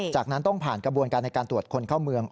จากนั้นต้องผ่านกระบวนการในการตรวจคนเข้าเมือง